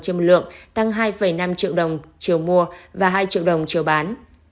chiều một lượng tăng hai năm triệu đồng chiều mua và hai triệu đồng chiều bán